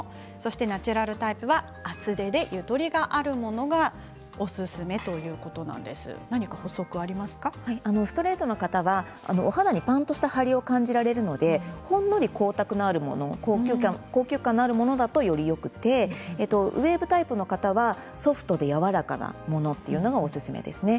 ナチュラルタイプは厚手でゆとりがあるものがストレートの方はお肌にパンっとした張りを感じられるのでほんのり光沢のあるもの高級感のあるものだとよりよくてウエーブタイプの方はソフトでやわらかなものというのがおすすめですね。